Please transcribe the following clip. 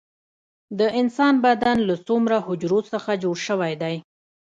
د انسان بدن له څومره حجرو څخه جوړ شوی دی